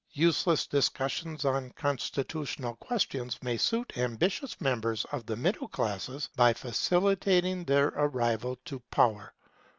Useless discussions on constitutional questions may suit ambitious members of the middle classes, by facilitating their arrival to power.